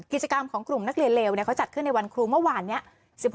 กิจกรรมของกลุ่มนักเรียนเลวเขาจัดขึ้นในวันครูเมื่อวานนี้